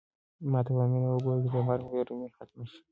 ما ته په مینه وګوره چې د مرګ وېره مې ختمه شي.